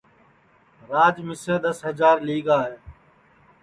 راج مِسیں دؔس ہجار لی گا ہے